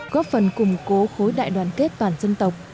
góp phần củng cố khối đại đoàn kết toàn dân tộc